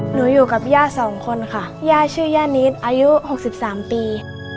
อยู่กับย่าสองคนค่ะย่าชื่อย่านิดอายุ๖๓ปี